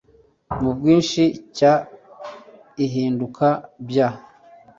Mu bwinshi cya ihinduka bya